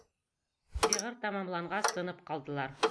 Шиғыр тамамланғас тынып ҡалдылар.